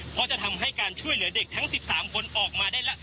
เพราะจะทำให้การช่วยเหลือเด็กทั้ง๑๓คนออกมาได้ละ